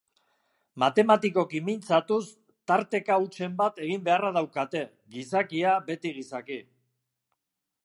Matematikoki mintzatuz, tarteka hutsen bat egin beharra daukate, gizakia beti gizaki.